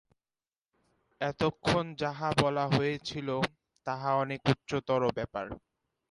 এতক্ষণ যাহা বলা হইতেছিল, তাহা অনেক উচ্চতর ব্যাপার।